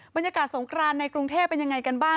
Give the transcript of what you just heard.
บรรยากาศสงครานในกรุงเทพเป็นยังไงกันบ้าง